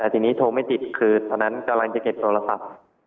แต่ทีนี้โทรไม่ติดคือตอนนั้นกำลังจะเก็บโทรศัพท์